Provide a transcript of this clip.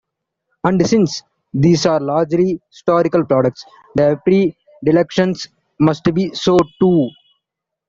And since these are largely historical products, the predilections must be so too.